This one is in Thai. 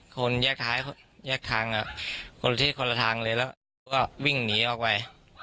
คนแยกท้ายแยกทางคนละทิศคนละทางเลยแล้วเขาก็วิ่งหนีออกไป